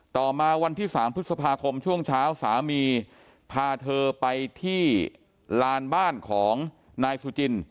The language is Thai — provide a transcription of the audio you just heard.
ต่อมาวันที่๓พฤษภาคมช่วงเช้าสามีพาเธอไปที่ลานบ้านของนายสุจิน